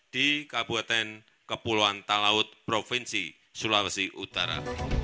di kabupaten kepulauan talaut provinsi sulawesi utara